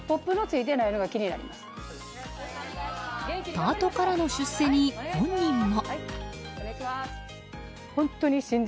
パートからの出世に本人も。